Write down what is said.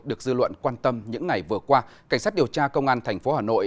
được dư luận quan tâm những ngày vừa qua cảnh sát điều tra công an thành phố hà nội